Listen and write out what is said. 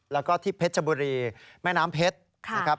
แล้วก็ที่เพชรบุรีแม่น้ำเพชรนะครับ